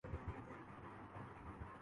وہ اپنی عمر سے چھوٹا لگتا ہے